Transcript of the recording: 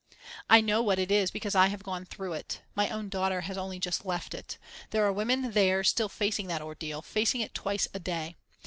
"I know what it is because I have gone through it. My own daughter has only just left it. There are women there still facing that ordeal, facing it twice a day.